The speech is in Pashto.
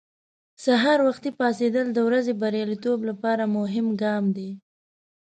سهار وختي پاڅېدل د ورځې بریالیتوب لپاره مهم ګام دی.